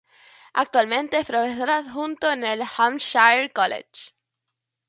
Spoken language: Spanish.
Actualmente es profesor adjunto en el Hampshire College.